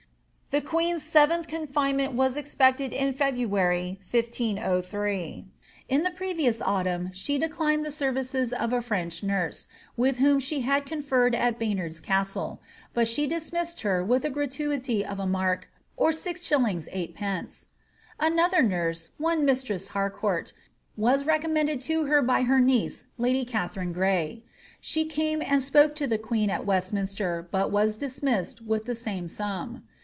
The queen's seventh confinement was expected in February, 1503; in the previous autumn she declined the services of a French nurse, with whom she had conferred at Baynard's Castle,' but she dismissed her with a gratuity of a marc, or 6$. Sd. Another nurse, one mistress Har court, was recommended to her by her niece lady Katharine Gray. She came and spoke to the queen at Westminster but was dismissed with the same sum.